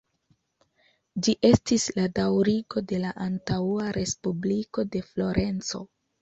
Ĝi estis la daŭrigo de la antaŭa Respubliko de Florenco.